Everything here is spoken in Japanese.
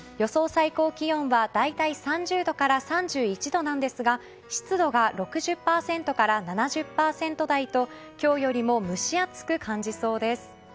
最高気温は大体３０度から３１度なんですが湿度が６０％から７０％台と今日よりも蒸し暑く感じそうです。